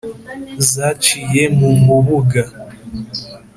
zaciye mu mubuga